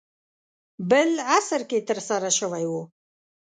بل عصر کې ترسره شوی و.